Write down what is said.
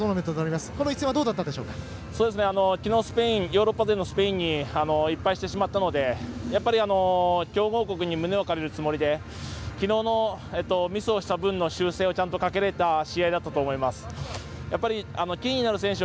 きのうヨーロッパ勢のスペインに１敗してしまったので強豪国に胸を借りるつもりできのうのミスをした分の修正をちゃんとかけれた試合だったと思います。